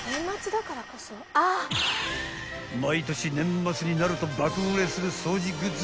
［毎年年末になると爆売れする掃除グッズ